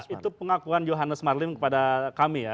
itu pengakuan johannes marlim kepada kami ya